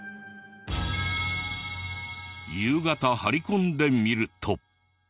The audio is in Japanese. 夕方張り込んでみると。